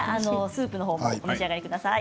スープのほうもお召し上がりください。